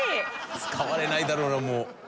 使われないだろうな。